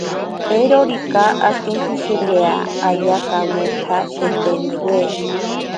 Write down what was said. Eirorika akenkishirea ayaa kametsa sheeteniwe.